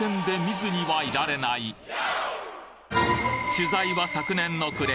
取材は昨年の暮れ